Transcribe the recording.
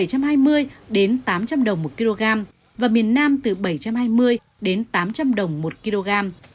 miền trung và tây nguyên từ tám trăm linh đồng một kg và miền nam từ bảy trăm hai mươi đến tám trăm linh đồng một kg